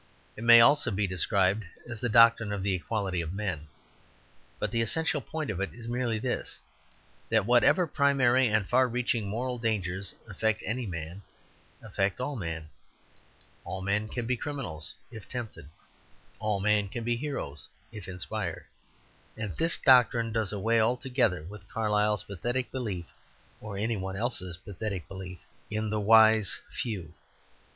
It may also be described as the doctrine of the equality of men. But the essential point of it is merely this, that whatever primary and far reaching moral dangers affect any man, affect all men. All men can be criminals, if tempted; all men can be heroes, if inspired. And this doctrine does away altogether with Carlyle's pathetic belief (or any one else's pathetic belief) in "the wise few."